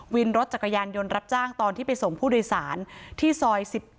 วินรถจักรยานยนต์รับจ้างตอนที่ไปส่งผู้โดยสารที่ซอย๑๗